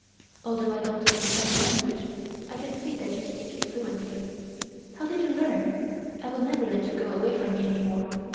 Although I don't understand the language, I can see that you speak it fluently. How did you learn? I will never let you go away from me any more.